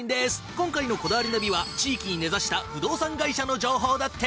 今回の『こだわりナビ』は地域に根差した不動産会社の情報だって。